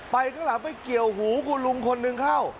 ข้างหลังไปเกี่ยวหูคุณลุงคนหนึ่งเข้า